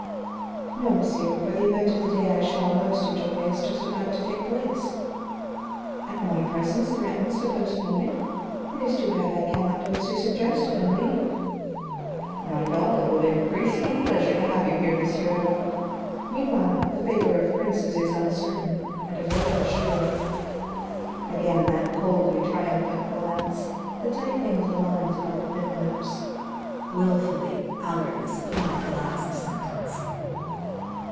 "No, monsieur; for the event of the day I shall most enjoy is just about to take place." "And my presence threatens to postpone it? It is too bad I can not do as you suggested, and leave." "Not at all; it will increase my pleasure to have you here, Monsieur Allard. Meanwhile, the favor of princes is uncertain, and a frail shield." Again that coldly triumphant glance, the tightening of the lines about the thin lips. Wilfully Allard misapplied the last sentence.